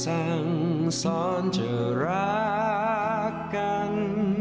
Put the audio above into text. สร้างสรรค์สอนเจอรักกัน